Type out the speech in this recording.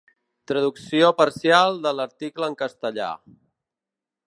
Traducció parcial de l'article en castellà.